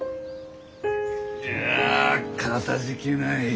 いやかたじけない。